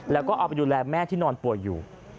แล้วก็เอาไปดูแลแม่ที่นอนป่วยอยู่